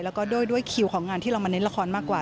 แล้วก็ด้วยคิวของงานที่เรามาเน้นละครมากกว่า